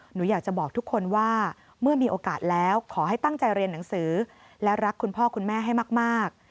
หนูอยากจะบอกทุกคนว่าเมื่อมีโอกาสแล้วขอให้ตั้งใจเรียนหนังสือและรักคุณพ่อคุณแม่ให้มาก